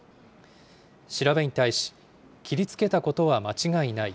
調べに対し、切りつけたことは間違いない。